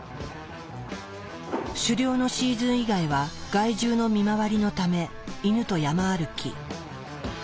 狩猟のシーズン以外は害獣の見回りのためイヌと山歩き。